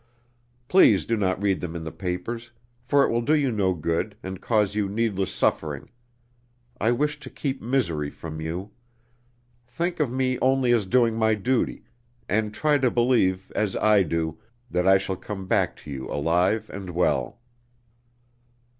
Please do not read them in the papers, for it will do you no good, and cause you needless suffering. I wish to keep misery from you. Think of me only as doing my duty, and try to believe (as I do) that I shall come back to you alive and well."